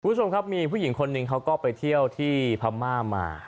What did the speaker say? คุณผู้ชมครับมีผู้หญิงคนหนึ่งเขาก็ไปเที่ยวที่พม่ามา